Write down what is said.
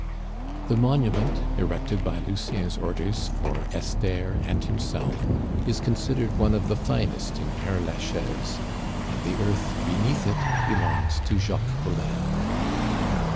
The monument erected by Lucien's orders for Esther and himself is considered one of the finest in Pere Lachaise, and the earth beneath it belongs to Jacques Collin.